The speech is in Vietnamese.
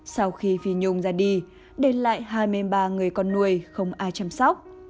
sau khi phi nhung ra đi đến lại hai mươi ba người con nuôi không ai chăm sóc